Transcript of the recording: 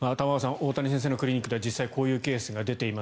大谷先生のクリニックでは実際こういうケースが出ています。